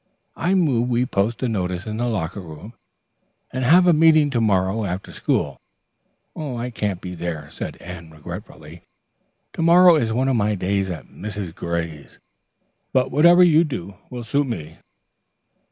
"I move we post a notice in the locker room and have a meeting to morrow after school. "I can't be there," said Anne regretfully. "To morrow is one of my days at Mrs. Gray's, but whatever you do will suit me."